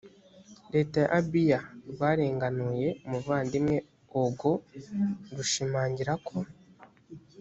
leta ya abiya rwarenganuye umuvandimwe ogwo rushimangira ko